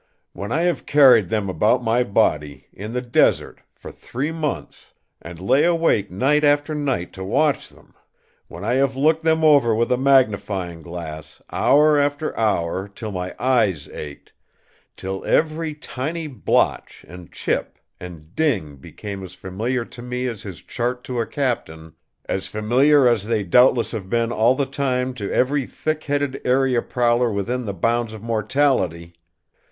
When I have carried them about my body, in the desert, for three months; and lay awake night after night to watch them! When I have looked them over with a magnifying glass, hour after hour, till my eyes ached; till every tiny blotch, and chip, and dinge became as familiar to me as his chart to a captain; as familiar as they doubtless have been all the time to every thick headed area prowler within the bounds of mortality.